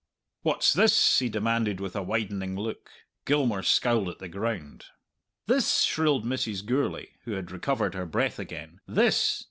"What's this?" he demanded with a widening look. Gilmour scowled at the ground. "This!" shrilled Mrs. Gourlay, who had recovered her breath again "this!